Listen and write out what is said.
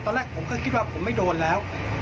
ตอนแรกผมก็คิดว่าผมไม่โดนแล้ว